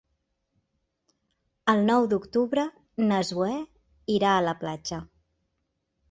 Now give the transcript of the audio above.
El nou d'octubre na Zoè irà a la platja.